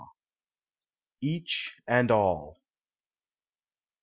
EACH AND ALL.